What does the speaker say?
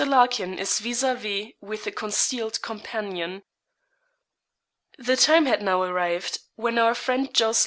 LARKIN IS VIS A VIS WITH A CONCEALED COMPANION. The time had now arrived when our friend Jos.